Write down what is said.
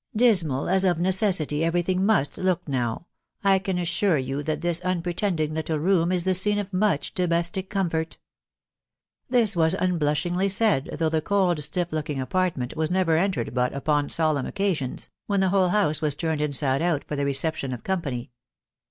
Dismal as of necessity every thing must look now, I can assure you that this unpre tending little room is the scene of much domestic comfort." This was unblushingly said, though the cold, stiff looking apartment was never entered but upon solemn occasions, when the whole house was turned inside out for the reception of company.